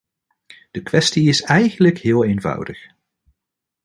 De kwestie is eigenlijk heel eenvoudig.